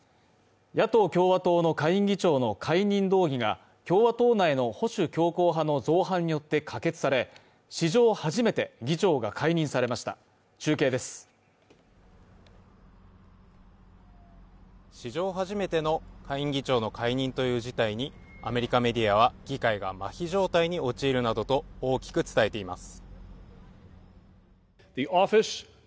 野党・共和党の下院議長の解任動議が共和党内の保守強硬派の造反によって可決され史上初めて議長が解任されました中継です史上初めての下院議長の解任という事態にアメリカメディアは議会がまひ状態に陥るなどと大きく伝えています